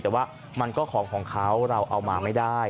แต่ว่ามันก็ของของเขาเราเอามาไม่ได้